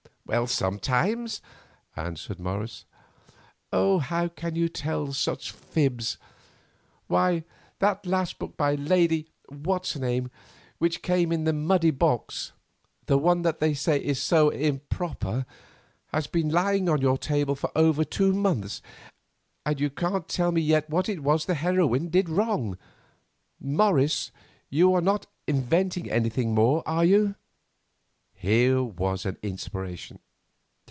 "Sometimes," answered Morris. "Oh, how can you tell such fibs? Why, that last book by Lady What's her name which came in the Mudie box—the one they say is so improper—has been lying on your table for over two months, and you can't tell me yet what it was the heroine did wrong. Morris, you are not inventing anything more, are you?" Here was an inspiration.